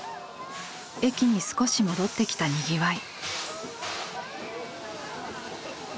駅に少し戻ってきたにぎわい。